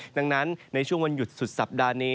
ดังนั้นในช่วงวันหยุดสุดสัปดาห์นี้